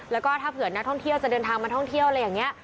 แล้วก็ถ้าเผื่อนักท่องเที่ยวจะเดินทางมาท่องเที่ยวอะไรอย่างนี้